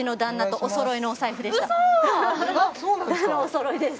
おそろいです